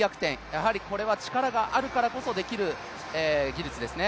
やはりこれは力があるからこそできる技術ですね。